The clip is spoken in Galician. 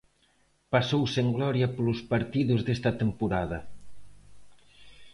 Pasou sen gloria polos partidos desta temporada.